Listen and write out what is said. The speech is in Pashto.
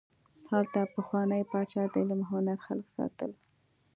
هلته پخواني پاچا د علم او هنر خلک ساتل.